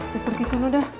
lu pergi suno dah